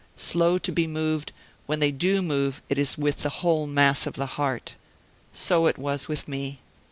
Slow to be moved, when they do move it is with the whole mass of the heart. So it was with me.